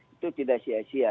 itu tidak sia sia